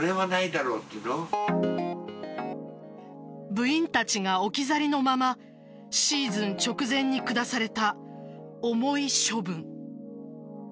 部員たちが置き去りのままシーズン直前に下された重い処分。